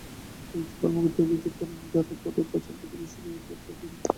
কয়েকজন কর্মকর্তা অভিযোগ করেন, যাঁরা পদক পাচ্ছেন, তাঁদের বেশির ভাগই পছন্দের লোক।